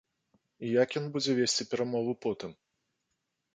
І як ён будзе весці перамовы потым?